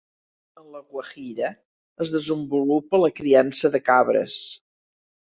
En la Guajira es desenvolupa la criança de cabres.